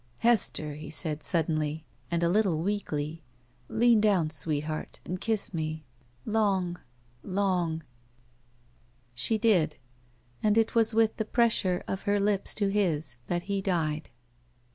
"Hester," he said, suddenly, and a little weakly, "lean down, sweetheart, and Idss me — ^long — ^long —" She did, and it was with the pressure of her lips to his that he died.